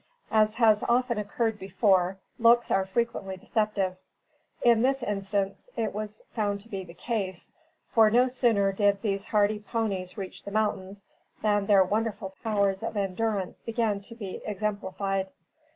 As has often occurred before, looks are frequently deceptive. In this instance, it was found to be the case; for, no sooner did these hardy ponies reach the mountains than their wonderful powers of endurance began to be exemplified.